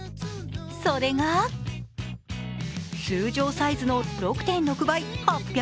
それが、通常サイズの６．６倍、８００ｇ。